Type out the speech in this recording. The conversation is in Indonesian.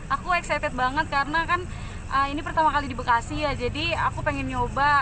aku excited banget karena kan ini pertama kali di bekasi ya jadi aku pengen nyoba